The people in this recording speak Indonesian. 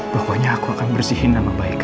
pokoknya aku akan bersihin nama baik